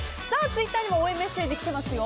ツイッターにも応援メッセージ来てますよ。